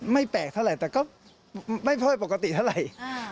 ไม่แปลกเท่าไหร่แต่ก็ไม่ค่อยปกติเท่าไหร่